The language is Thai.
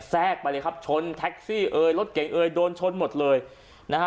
แทรกไปเลยครับชนแท็กซี่เอ่ยรถเก่งเอยโดนชนหมดเลยนะฮะ